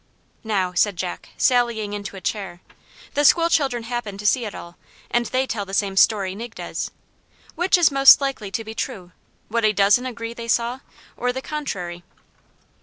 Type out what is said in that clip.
"Now," said Jack, sallying into a chair, "the school children happened to see it all, and they tell the same story Nig does. Which is most likely to be true, what a dozen agree they saw, or the contrary?"